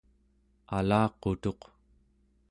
alaqutuq